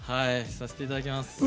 させていただきます。